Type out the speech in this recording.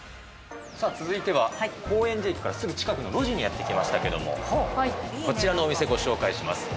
さあ、続いては、高円寺駅からすぐ近くの路地にやって来ましたけども、こちらのお店、ご紹介します。